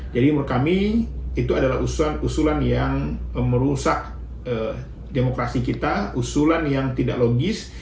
jadi menurut kami itu adalah usulan yang merusak demokrasi kita usulan yang tidak logis